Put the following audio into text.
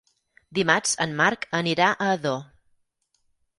Dimarts en Marc anirà a Ador.